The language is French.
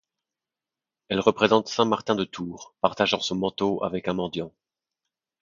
Elle représente saint Martin de Tours partageant son manteau avec un mendiant.